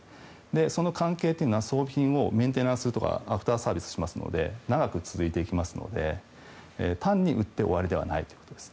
その関係というのは装備品をメンテナンスとかアフターサービスしますので長く続いてきますので単に売って終わりではないということです。